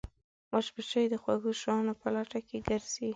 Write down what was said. مچمچۍ د خوږو شیانو په لټه کې ګرځي